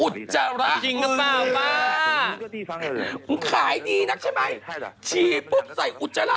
อุจจาระจริงหรือเปล่ามึงขายดีนักใช่ไหมฉี่ปุ๊บใส่อุจจาระ